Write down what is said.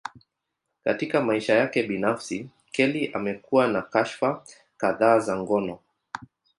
Katika maisha yake binafsi, Kelly amekuwa na kashfa kadhaa za ngono.